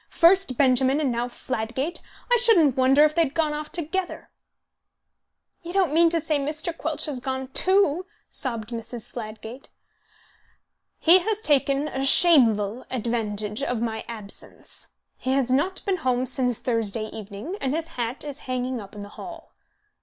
First Benjamin, and now Fladgate! I shouldn't wonder if they had gone off together." "You don't mean to say Mr. Quelch has gone too?" sobbed Mrs. Fladgate. "He has taken a shameful advantage of my absence. He has not been home since Thursday evening, and his hat is hanging up in the hall."